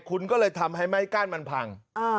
คุณก็เลยทำให้ไม่กั้นมันพัง